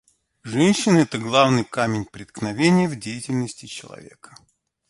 Женщины — это главный камень преткновения в деятельности человека.